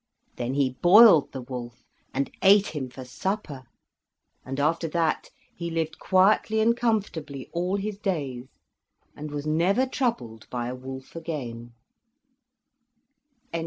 Then he boiled the wolf, and ate him for supper, and after that he lived quietly and comfortably all his days, and was never troubled by a wolf again.